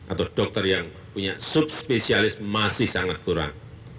atau dokter yang punya subspesialis masih sangat kurang